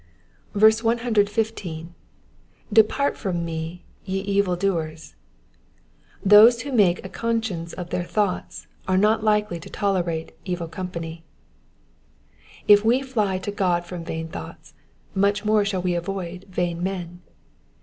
115. ^^Vepart from me, ye etil doer 8.^^ Those who make a conadence of their thoughts are not likely to tolerate evil company. If we fly to God from vain thoughts, much more shall we avoid vain men.